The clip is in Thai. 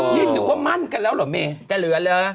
ฟิตถิวว่ามันกันแล้วเหรอเมจะเหลือหรือ